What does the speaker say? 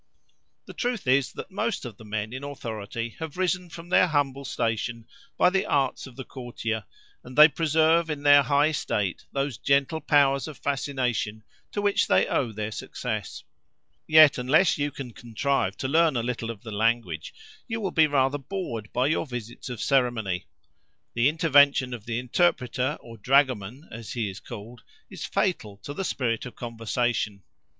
The truth is, that most of the men in authority have risen from their humble station by the arts of the courtier, and they preserve in their high estate those gentle powers of fascination to which they owe their success. Yet unless you can contrive to learn a little of the language, you will be rather bored by your visits of ceremony; the intervention of the interpreter, or dragoman as he is called, is fatal to the spirit of conversation.